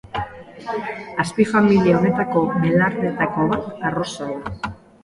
Azpifamilia honetako belarretako bat arroza da.